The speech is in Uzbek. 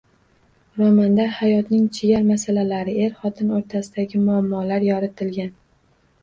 Romanda hayotning chigal masalalari, er-xotin o‘rtasidagi muomalalar yoritilgan.